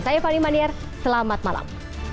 saya fani maniar selamat malam